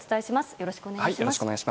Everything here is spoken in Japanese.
よろしくお願いします。